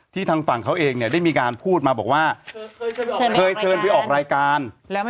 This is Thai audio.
ทางฝั่งเขาเองเนี่ยได้มีการพูดมาบอกว่าเคยเชิญไปออกรายการ